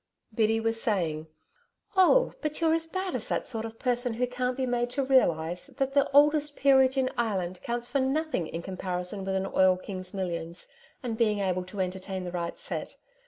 Biddy was saying: 'Oh, but you're as bad as that sort of person who can't be made to realise that the oldest peerage in Ireland counts for nothing in comparison with an oil king's millions and being able to entertain the right set....